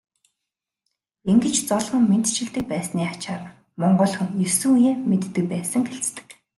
Ингэж золгон мэндчилдэг байсны ачаар монгол хүн есөн үеэ мэддэг байсан гэлцдэг.